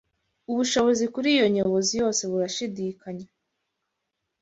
ubushobozi kuri yo nyobozi yose burashidikanywa